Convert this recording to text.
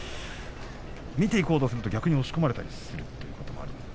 見ていこうとすると逆に押し込まれたりすることもあると。